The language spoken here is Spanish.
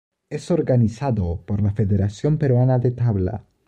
Es organizado por la Federación Peruana de Tabla.